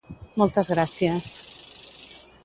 Moltes gràcies